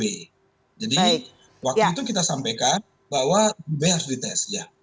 jadi waktu itu kita sampaikan bahwa ibu b harus dites